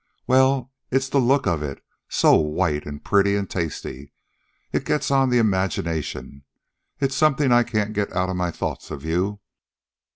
well, it's the look of it, so white, an' pretty, an' tasty. It gets on the imagination. It's something I can't get out of my thoughts of you.